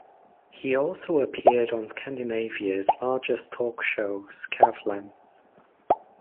He also appeared on Scandinavia's largest talkshow "Skavlan".